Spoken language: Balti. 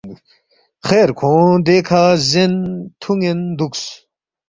خیر کھونگ دیکھہ زین تُھون٘ین دُوکس